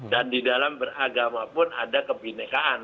dan di dalam beragama pun ada kebinekaan